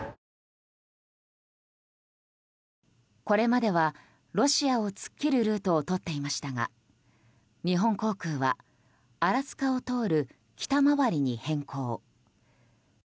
これまではロシアを突っ切るルートをとっていましたが日本航空はアラスカを通る北周りに変更。